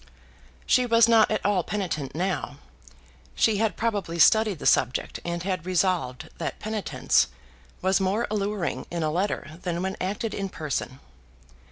She was not at all penitent now. She had probably studied the subject, and had resolved that penitence was more alluring in a letter than when acted in person.